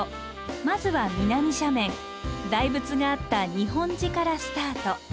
まずは南斜面大仏があった日本寺からスタート。